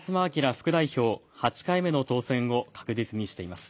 副代表、８回目の当選を確実にしています。